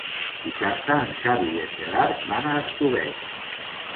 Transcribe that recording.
Dissabte en Xavi i en Gerard van a Estubeny.